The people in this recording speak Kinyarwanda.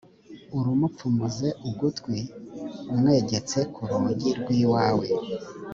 urumupfumuze ugutwi umwegetse ku rugi rw’iwawe,